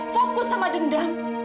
fokus sama dendam